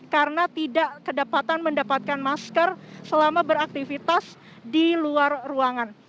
karena tidak kedapatan mendapatkan masker selama beraktivitas di luar ruangan